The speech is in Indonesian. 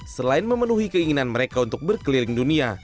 selain memenuhi keinginan mereka untuk berkeliling dunia